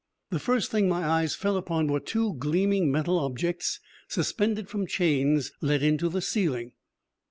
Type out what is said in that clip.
The first thing my eyes fell upon were two gleaming metal objects suspended from chains let into the ceiling.